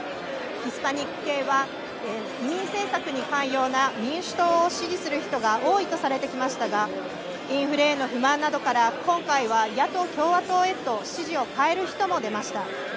ヒスパニック系は移民政策に寛容な民主党を支持する人が多いとされてきましたがインフレへの不満などから今回、野党・共和党へと支持を変える人も出ました。